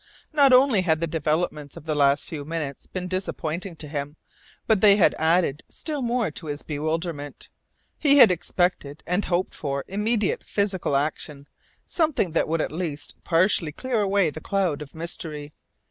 Not only had the developments of the last few minutes been disappointing to him, but they had added still more to his bewilderment. He had expected and hoped for immediate physical action, something that would at least partially clear away the cloud of mystery.